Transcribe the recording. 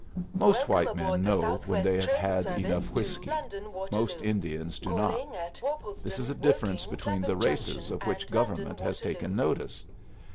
Most white men know when they have had enough whiskey. Most Indians do not. This is a difference between the races of which government has taken notice.